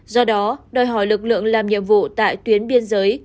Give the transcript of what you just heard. do đó đòi hỏi lực lượng làm nhiệm vụ tại tuyến biên giới